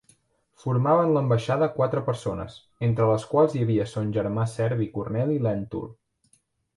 Formaven l’ambaixada quatre persones, entre les quals hi havia son germà Servi Corneli Lèntul.